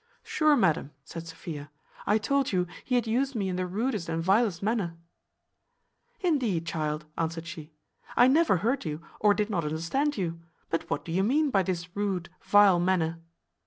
"Sure, madam," said Sophia, "I told you he had used me in the rudest and vilest manner." "Indeed, child," answered she, "I never heard you, or did not understand you: but what do you mean by this rude, vile manner?"